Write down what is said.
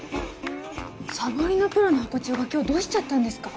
サボりのプロのハコ長が今日どうしちゃったんですか？